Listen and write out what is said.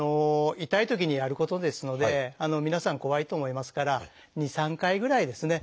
痛いときにやることですので皆さん怖いと思いますから２３回ぐらいですね。